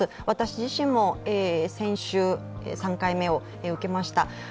私自身も先週、３回目を受けました。